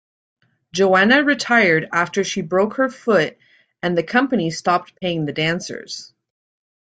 Joanna retired after she broke her foot and the company stopped paying the dancers.